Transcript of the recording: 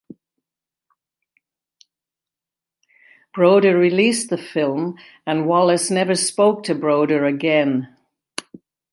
Broder released the film and Wallis never spoke to Broder again.